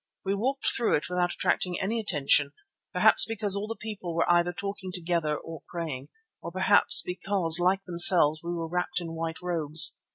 We walked through it without attracting any attention, perhaps because all the people were either talking together, or praying, or perhaps because like themselves we were wrapped in white robes.